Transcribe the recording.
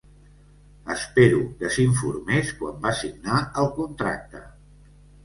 Espero que s'informés quan va signar el contracte.